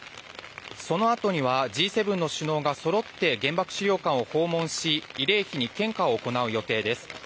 そのあとにはＧ７の首脳がそろって原爆資料館を訪問し慰霊碑に献花を行う予定です。